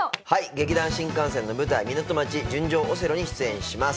劇団☆新感線の舞台『ミナト町純情オセロ』に出演します。